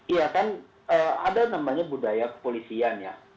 iya kan ada namanya budaya kepolisian ya